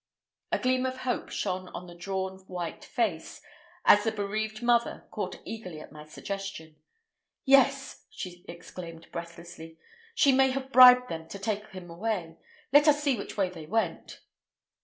A gleam of hope shone on the drawn, white face as the bereaved mother caught eagerly at my suggestion. "Yes," she exclaimed breathlessly; "she may have bribed them to take him away. Let us see which way they went."